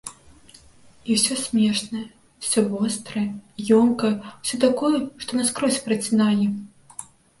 І ўсё смешнае, усё вострае, ёмкае, усё такое, што наскрозь працінае.